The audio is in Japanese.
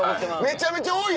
めちゃめちゃ多いやろ？